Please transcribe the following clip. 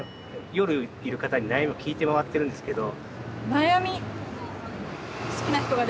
夜いる方に悩みを聞いて回ってるんですけど。